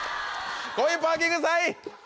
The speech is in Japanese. コインパーキング３位！